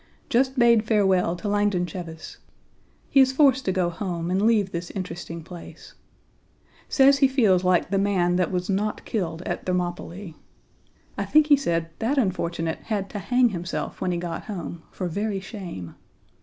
Just bade farewell to Langdon Cheves. He is forced to go home and leave this interesting place. Says he feels like the man that was not killed at Thermopylae. I think he said that unfortunate had to hang himself when he got home for very shame.